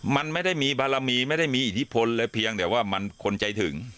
มันไม่ได้มีบารมีไม่ได้มีอิทธิพลเลยเพียงแต่ว่ามันคนใจถึง